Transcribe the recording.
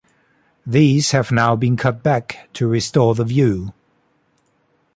These have now been cut back to restore the view.